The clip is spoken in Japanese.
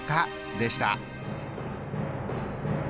でした。